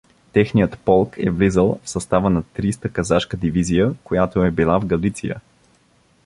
Техният полк е влизал в състава на трийста казашка дивизия, която е била в Галиция.